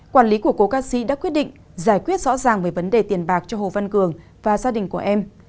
quản lý của cô ca sĩ đã quyết định giải quyết rõ ràng về vấn đề tiền bạc cho hồ văn cường và gia đình của em